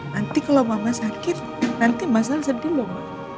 nanti kalau mama sakit nanti masalah sedih belum